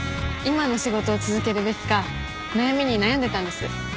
今の仕事を続けるべきか悩みに悩んでたんです。